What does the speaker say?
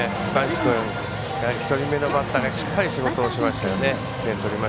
１人目のバッターがしっかり仕事しましたよね。